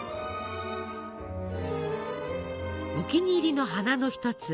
お気に入りの花の一つ